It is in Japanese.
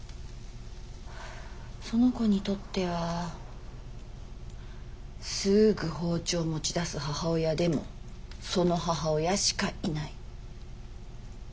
その子にとってはすぐ包丁を持ち出す母親でもその母親しかいない。